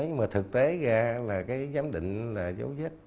nhưng mà thực tế ra là cái giám định là dấu vết